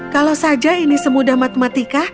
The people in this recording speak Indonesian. kalau saja ini semudah matematika